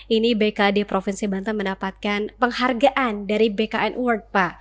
ini bkd provinsi banten mendapatkan penghargaan dari bkn award pak